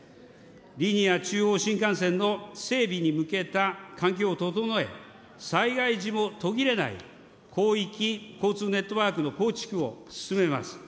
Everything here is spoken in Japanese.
リニア中央新幹線の整備に向けた環境を整え、災害時も途切れない広域交通ネットワークの構築を進めます。